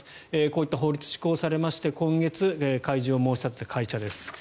こういった法律が施行されまして今月、開示を申し立てられた会社です。